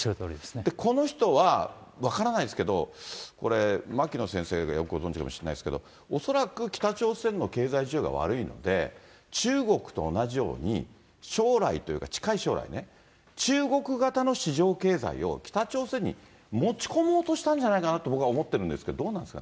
この人は、分からないですけれども、これ牧野先生よくご存じかもしれないですけれども、恐らく北朝鮮の経済事情が悪いので、中国と同じように、将来というか、近い将来ね、中国型の市場経済を北朝鮮に持ち込もうとしたんじゃないかなと僕は思ってるんですけど、どうなんですか。